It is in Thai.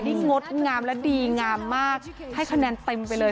นี่งดงามและดีงามมากให้คะแนนเต็มไปเลย